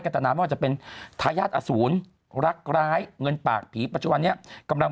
ตนาไม่ว่าจะเป็นทายาทอสูรรักร้ายเงินปากผีปัจจุบันนี้กำลัง